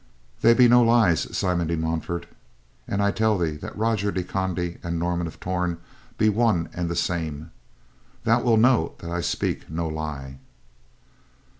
"They be no lies, Simon de Montfort. An I tell thee that Roger de Conde and Norman of Torn be one and the same, thou wilt know that I speak no lie."